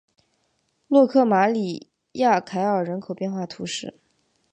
洛克马里亚凯尔人口变化图示